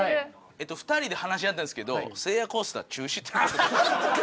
えっと２人で話し合ったんですけどせいやコースター中止という事で。